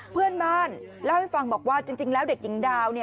เพื่อนบ้านเล่าให้ฟังบอกว่าจริงแล้วเด็กหญิงดาว